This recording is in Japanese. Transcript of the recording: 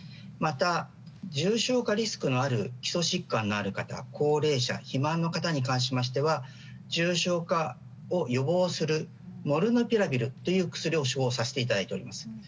また、重症化リスクのある基礎疾患がある方高齢者、肥満の方については重症化を予防するモルヌピラビルという薬を処方させていただいています。